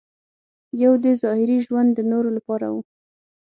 یو دې ظاهري ژوند د نورو لپاره و.